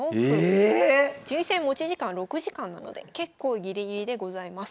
ええ⁉順位戦持ち時間６時間なので結構ギリギリでございます。